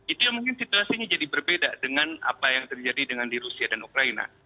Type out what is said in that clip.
itu yang mungkin situasinya jadi berbeda dengan apa yang terjadi dengan di rusia dan ukraina